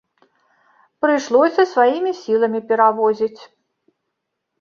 Прыйшлося сваімі сіламі перавозіць.